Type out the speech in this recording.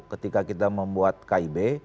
ketika kita membuat kib